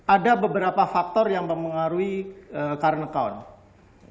ada beberapa faktor yang mempengaruhi current account